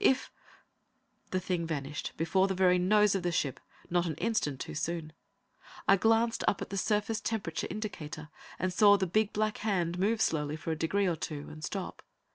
If The thing vanished before the very nose of the ship, not an instant too soon. I glanced up at the surface temperature indicator, and saw the big black hand move slowly for a degree or two, and stop.